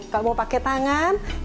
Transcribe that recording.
kalau mau pakai tangan